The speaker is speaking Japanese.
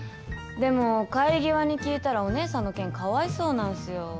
でも帰り際に聞いたらお姉さんの件かわいそうなんすよ。